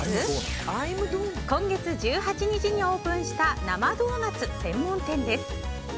今月１８日にオープンした生ドーナツ専門店です。